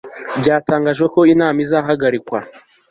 Byatangajwe ko inama izahagarikwa